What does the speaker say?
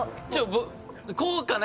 こうかな？